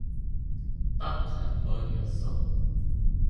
딱 한 번이었어.